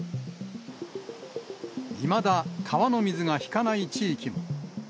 いまだ川の水が引かない地域も。